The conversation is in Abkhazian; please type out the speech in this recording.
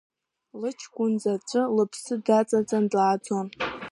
Лыҷкәын заҵәы лыԥсы даҵаҵан длааӡон.